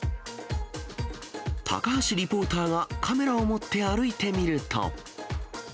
高橋リポーターがカメラを持って歩いてみると。